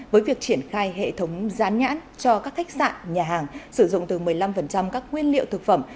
với việc triển khai hệ thống rán nhãn cho các khách sạn nhà hàng sử dụng từ một mươi năm các nguyên liệu thực phẩm